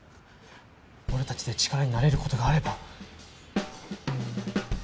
俺たちで力になれる事があれば。